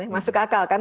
masuk akal kan